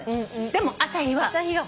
でも朝日は。